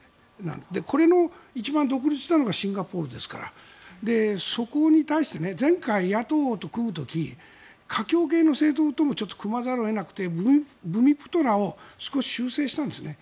これの一番独立したのがシンガポールですからそこに対して前回、野党と組む時華僑系の政党とも組まざるを得なくてブミプトラを少し修正したんですね。